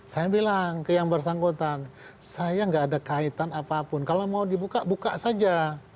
saya bilang ke yang bersangkutan saya nggak ada kaitan apapun kalau mau dibuka buka saja